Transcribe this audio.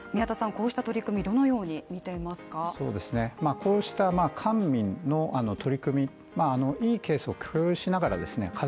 こうした取り組みどのように見ていますかこうした官民の取り組みケースを工夫しながらですね